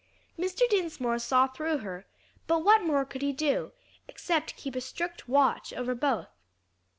Mr. Dinsmore saw through her, but what more could he do, except keep a strict watch over both.